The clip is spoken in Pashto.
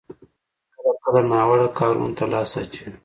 کله کله ناوړه کارونو ته لاس اچوي.